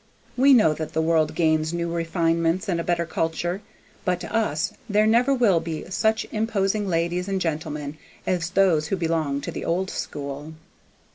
We know that the world gains new refinements and a better culture; but to us there never will be such imposing ladies and gentlemen as these who belong to the old school.